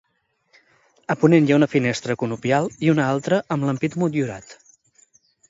A ponent hi ha una finestra conopial i una altra amb l'ampit motllurat.